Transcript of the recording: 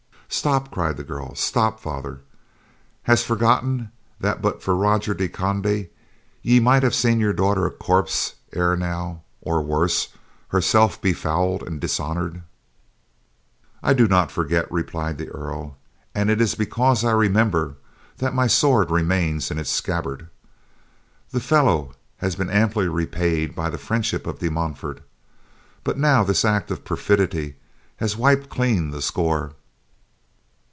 "Stop!" cried the girl. "Stop, father, hast forgot that but for Roger de Conde ye might have seen your daughter a corpse ere now, or, worse, herself befouled and dishonored?" "I do not forget," replied the Earl, "and it is because I remember that my sword remains in its scabbard. The fellow has been amply repaid by the friendship of De Montfort, but now this act of perfidy has wiped clean the score.